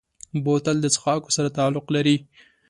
بوتل د څښاکو سره تعلق لري.